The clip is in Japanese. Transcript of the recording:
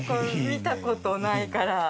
見た事ないから。